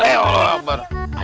eh allah apaan